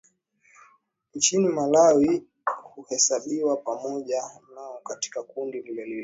Nchini Malawi huhesabiwa pamoja nao katika kundi lilelile